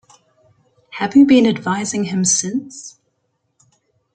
Have you been advising him since?